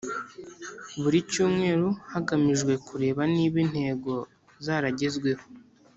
buri cyumweru hagamijwe kureba niba intego zaragezweho